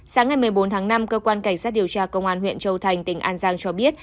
sáng ngày một mươi bốn tháng năm cơ quan cảnh sát điều tra công an huyện châu thành tỉnh an giang cho biết